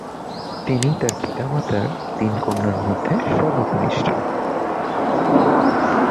তিনি তার পিতামাতার তিন কন্যার মধ্যে সর্বকনিষ্ঠ।